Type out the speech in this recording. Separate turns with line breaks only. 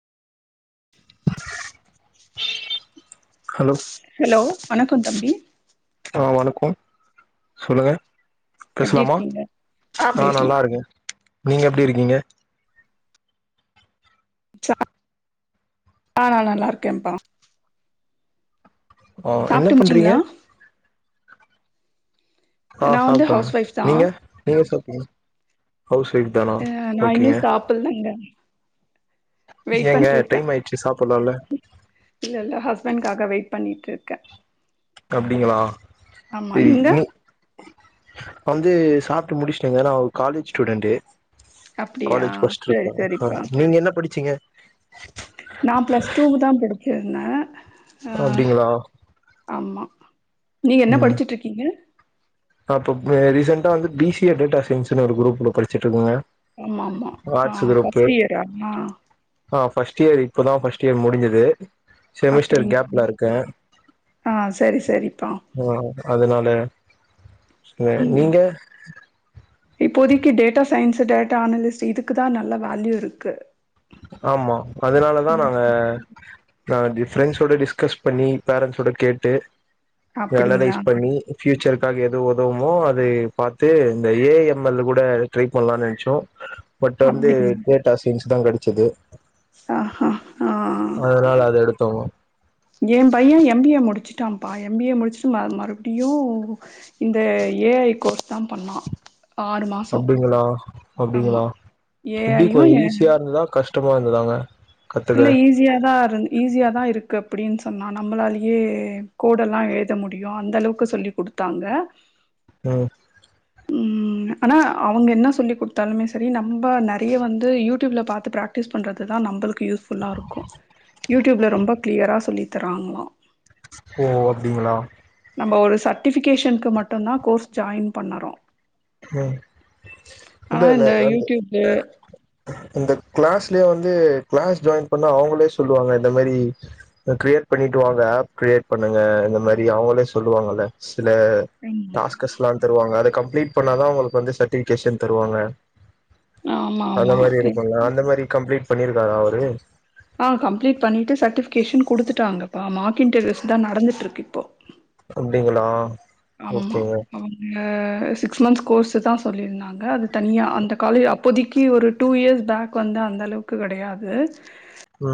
hello
hello வணக்கோ தம்பி
ஆ வணக்கோ சொல்லுங்க
எப்டி
பேசலாமா
இருக்கீங்க
ஆ நல்லா இருக்கே நீங்க எப்டி இருக்கீங்க
சா ஆ நா நல்லா இருக்கேப்பா
ஆ என்ன
சாப்ட்டு
பண்றீங்க
முடிச்சீங்களா
ஆ
நா வந்து
சாப்டா
ஹவுஸ் ஒய்ஃப் தா
நீங்க நீங்க சாப்டிங்களா ஹவுஸ் ஒய்ஃப் தானா ஓகேங்க
சொல்லுங்க
ஏங்க டைம் ஆயிடுச்சி சாப்புலால
இல்ல இல்ல ஹஸ்பண்ட்காக வெயிட் பண்ணிட்டு இருக்க
அப்டிங்ளா
ஆமா நீங்க
[unintelligible] வந்து சாப்ட்டு முடிச்சிட்டேங்க நா ஒவ் காலேஜ் ஸ்டூடெண்டு
அப்டியா
காலேஜ் பஸ்ட்
சரி
இருக்கா அ
சரிப்பா
நீங்க என்ன படிச்சீங்க
நா பிளஸ் டூவு தா படிச்சிருந்த அ
அப்டிங்களா
ஆமா நீங்க என்ன படிச்சிட்டு இருக்கீங்க
நா அப்பப்ப ரீசெண்டா வந்து பிசி டேட்டா சைன்ஸ்ன்னு ஒரு குரூப்ல படிச்சிட்டு இருக்கங்க
ஆமா ஆமா ஆ ஃபஸ்ட் இயரு ஆ
ஆ ஃபஸ்ட் இயர் இப்பதா ஃபஸ்ட் இயர் முடிஞ்சது செமிஸ்டர்
அப்டிங்
கேப்ல இருக்கே
ஆ சரி சரிப்பா
ஆ அதனால அ நீங்க
இப்போதைக்கி டேட்டா சயின்ஸு டேட்டா அனலிஸ்டு இதுக்கு தா நல்ல வேல்யூ இருக்கு
ஆமா அதனாலதா நாங்க நா ஃப்ரெண்ட்ஸோட டிஸ்கஸ் பண்ணி பேரன்ட்ஸ்சோட கேட்டு
அப்டிங்களா
அனலைஸ் பண்ணி ஃப்யூச்சருக்காக எதோ உதவுமோ அதை பாத்து இந்த ஏஎம்எல் கூட ட்ரை பண்ணலாம்னு நென்ச்சோ பட் வந்து
அப்டிங்களா
டேட்டா சைன்ஸ் தா கெடச்சது
ஆஹ ஹா
அதனால அத எடுத்தோ
ஏ பையே எம்பிஏ முடிச்சிட்டாப்பா எம்பிஏ முடிச்சிட்டு ம மறுபுடியு இந்த ஏஐ கோர்ஸ் தா பண்ணா ஆறு மாசோ
அப்டிங்களா
ஆமா
அப்டிங்களா
ஏ
எப்டி
ஐயு
கொஞ்சோ
ஏ
ஈஸியா இருந்ததா கஷ்டமா இருந்ததாங்க கத்துக்க
இல்ல ஈஸியா தா இருந் ஈஸியா தா இருக்கு அப்டின்னு சொன்னா நம்மளாலேயே கோடெல்லா எழுத முடியு அந்தளவுக்கு சொல்லி கொடுத் த்தாங்க
அஹ்
உம் ஆனா அவங்க என்ன சொல்லி கொடுத்தாலுமே செரி நம்ப நறிய வந்து யூடியூப்ல பாத்து பிராக் பிராக்டிஸ் பண்ணுறது தா நம்பளுக்கு யூஸ்ஃபுல்லா இருக்கு யூடியூப்ல ரொம்ப கிளியரா சொல்லி தராங்களா
ஓ அப்டிங்களா
நம்ப ஒரு சர்ட்டிபிகேஷனுக்கு மட்டுதா கோர்ஸ் ஜாயின் பண்ணறோ
உம்
ஆனா
இல்ல இல்ல
இந்த
ரண்டு
யூடியூப்பு
இந்த கிளாஸ்லயே வந்து கிளாஸ் ஜாயின் பண்ண அவங்களே சொல்லுவாங்க இந்த மாரி கிரியேட் பண்ணிட்டு வாங்க ஆப் கிரியேட் பண்ணுங்க இந்த மாரி அவங்களே சொல்லுவாங்கல்ல சில
ஆமா
டாஸ்கஸ் ல்லா தருவாங்க அத கம்ப்ளீட் பண்ணாதா அவங்களுக்கு வந்து சர்ட்டிபிகேஷன் தருவாங்க
ஆமா
அந்த
ஆமா
மாரி இருக்கும்ல அந்த மாரி கம்ப்ளீட் பண்ணிருக்காரா அவரு
ஆஹ் கம்ப்ளீட் பண்ணிட்டு சர்டிபிகேஷன் குடுத்துட்டாங்கப்பா மார்க் இன்டர்வியூஸ் தா நடந்துட்டு இருக்கு இப்போ
அப்டிங்களா
ஆமா
ஓகேங்க
அவங்க சிக்ஸ் மந்த் கோர்ஸ் தா சொல்லியிருந்தாங்க அது தனியா அந்த காலே இப்போதக்கி ஒரு டூ இயர்ஸ் பேக் வந்து அந்த அளவுக்கு கெடையாது
ம்